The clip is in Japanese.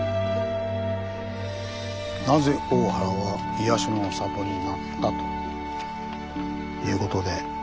「なぜ大原は“癒やしの里”になった？」ということで。